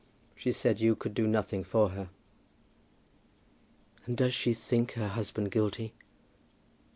She said you could do nothing for her." "And does she think her husband guilty?"